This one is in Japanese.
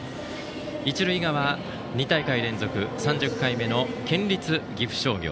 一塁側、２大会連続３０回目の県立岐阜商業。